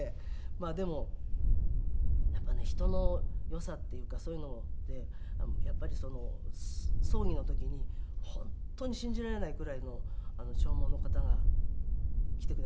まあでもやっぱりね人の良さっていうかそういうのでやっぱり葬儀の時に本当に信じられないくらいの弔問の方が来てくださって。